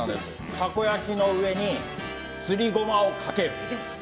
たこ焼きの上にすりゴマをかける。